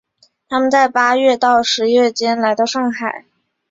他们在八月到十月间来到上海。